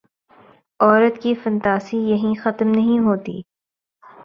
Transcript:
عورت کی فنتاسی یہیں ختم نہیں ہوتی۔